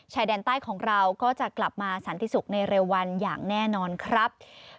ชายแดนใต้ของเราก็จะกลับมาสันติสุขในเร็ววันอย่างแน่นอนครับ